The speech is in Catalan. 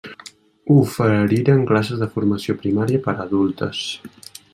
Oferiren classes de formació primària per adultes.